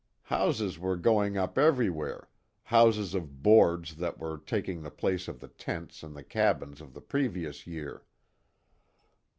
Houses were going up everywhere, houses of boards that were taking the place of the tents and the cabins of the previous year.